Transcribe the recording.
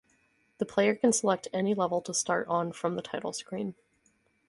The player can select any level to start on from the title screen.